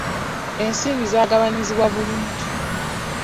Ensimbi zaagabanyizibwa bulungi.